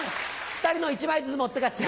２人の１枚ずつ持って帰って。